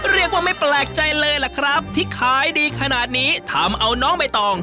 ไม่แปลกใจเลยล่ะครับที่ขายดีขนาดนี้ทำเอาน้องใบตอง